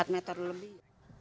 empat meter lebih